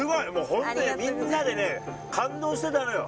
本当に、みんなでね、感動してたのよ。